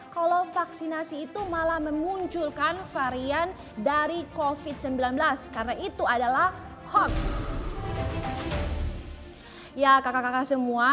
kalau vaksinasi itu malah memunculkan varian dari kofit sembilan belas karena itu adalah hoax ya kakak kakak semua